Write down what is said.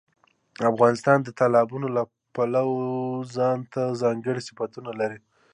افغانستان د تالابونو له پلوه ځانته ځانګړي صفتونه لري.